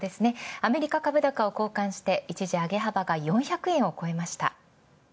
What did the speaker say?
アメリカ株高を好感して一時上げ幅が４００円を越えました。